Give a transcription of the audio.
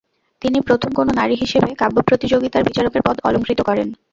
তিনি প্রথম কোন নারী হিসেবে কাব্যপ্রতিযোগীতার বিচারকের পদ অলংকৃত করেন।